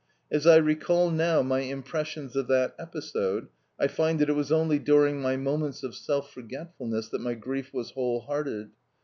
As I recall now my impressions of that episode I find that it was only during my moments of self forgetfulness that my grief was wholehearted.